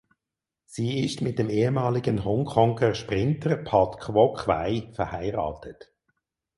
Sie ist mit dem ehemaligen Hongkonger Sprinter Pat Kwok Wai verheiratet.